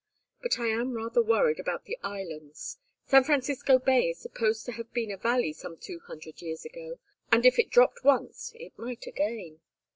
But I am rather worried about the islands. San Francisco Bay is supposed to have been a valley some two hundred years ago, and if it dropped once it might again.